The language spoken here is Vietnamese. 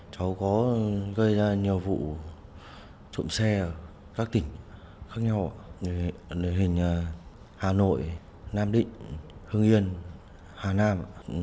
cháu có gây ra nhiều vụ trộm xe ở các tỉnh khác nhau hình hà nội nam định hưng yên hà nam